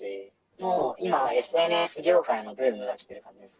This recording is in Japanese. もう今はＳＮＳ業界のブームが来てます。